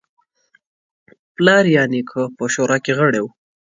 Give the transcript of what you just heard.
پلار یا نیکه په شورا کې غړی و.